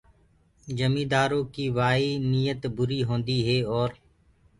جميندآرو ڪي وآئي نيت بري هوندي هي اور